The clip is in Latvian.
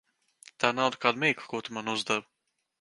Tā nav nekāda mīkla, ko tu man uzdevi.